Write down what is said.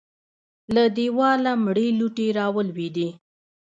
له دېواله مړې لوټې راولوېدې.